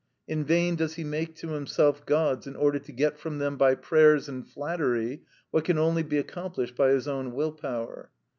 In vain does he make to himself gods in order to get from them by prayers and flattery what can only be accomplished by his own will power.